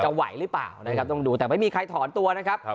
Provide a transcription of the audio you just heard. ไหวหรือเปล่านะครับต้องดูแต่ไม่มีใครถอนตัวนะครับ